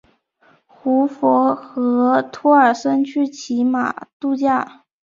胡佛和托尔森去骑马度假。